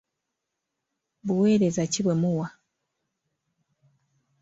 Buweereza ki bwe muwa?